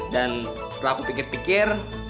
dan setelah aku pikir pikir